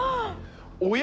「おや？